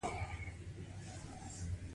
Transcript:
پانګوال کارګر ته د کار نیم وخت مزد ورکوي